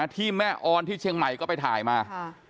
ที่แม่ออนที่เชียงใหม่ก็ไปถ่ายมา